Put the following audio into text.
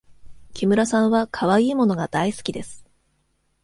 木村さんはかわいい物が大好きです。